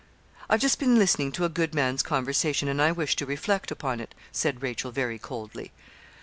'I've just been listening to a good man's conversation, and I wish to reflect upon it,' said Rachel, very coldly.